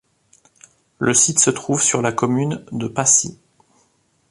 Le site se trouve sur la commune de Passy.